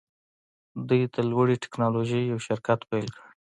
دوی د لوړې ټیکنالوژۍ یو شرکت پیل کړ